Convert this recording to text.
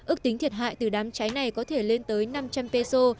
ước tính thiệt hại từ đám cháy này có thể lên tới năm trăm linh peso